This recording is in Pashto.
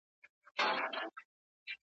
خره لېوه ته ویل گوره لېوه جانه ,